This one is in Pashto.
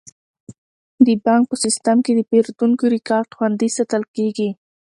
د بانک په سیستم کې د پیرودونکو ریکارډ خوندي ساتل کیږي.